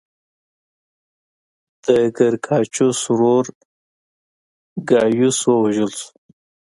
د ګراکچوس ورور ګایوس ووژل شو